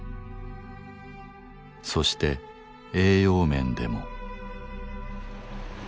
そして栄養面でも。